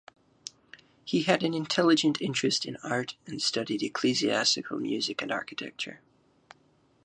He had an intelligent interest in art, and studied ecclesiastical music and architecture.